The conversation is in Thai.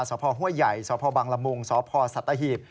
สพห้วยใหญ่สพบังละมุงสพสัตหีบ